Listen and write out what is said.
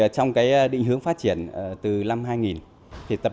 trong định hướng phát triển từ năm hai nghìn